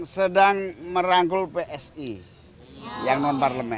sedang merangkul psi yang non parlemen